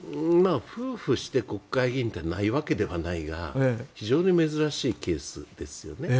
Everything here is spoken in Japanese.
夫婦して国会議員ってないわけではないが非常に珍しいケースですよね。